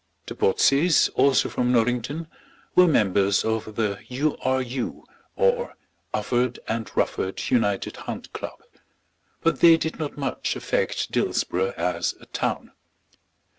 The Botseys, also from Norrington, were members of the U. R. U., or Ufford and Rufford United Hunt Club; but they did not much affect Dillsborough as a town.